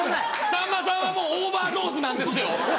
さんまさんはもうオーバードーズなんですよ。